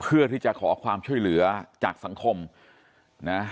เพื่อที่จะขอความช่วยเหลือจากสังคมนะ